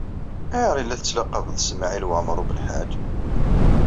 Ayɣer ay la tettlaqabeḍ Smawil Waɛmaṛ U Belḥaǧ?